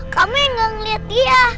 kamu yang gak ngeliat dia